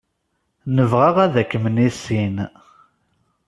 Nebɣa ad kem-nissin.